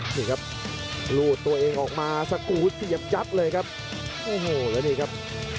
นี่ครับรูดตัวเองออกมาสกูลเสียบยัดเลยครับโอ้โหแล้วนี่ครับ